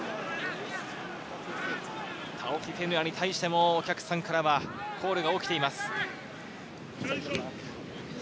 タオフィフェヌアに対しても、お客さんからはコールが起きています。